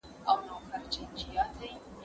زه مخکي سينه سپين کړی و